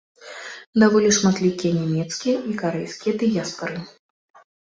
Даволі шматлікія нямецкая і карэйская дыяспары.